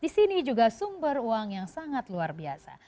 di sini juga sumber uang yang sangat luar biasa